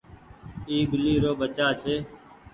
اي ٻلي رو ٻچآ ڇي۔